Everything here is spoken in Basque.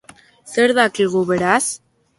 Zer dakigu beraz?